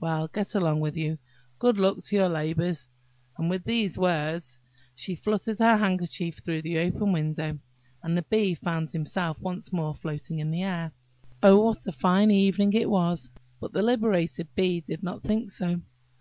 Well, get along with you! Good luck to your labours!" And with these words she fluttered her handkerchief through the open window, and the Bee found himself once more floating in the air. Oh, what a fine evening it was! But the liberated Bee did not think so.